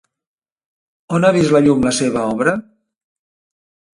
On ha vist la llum la seva obra?